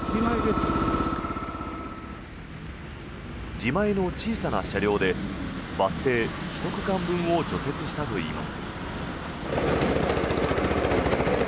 自前の小さな車両でバス停１区間分を除雪したといいます。